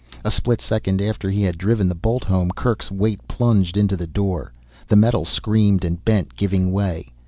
A split second after he had driven the bolt home Kerk's weight plunged into the door. The metal screamed and bent, giving way.